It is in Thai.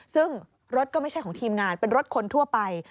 ซึ่งรถก็ไม่ใช่ของทีมงานเป็นรถคนทั่วไป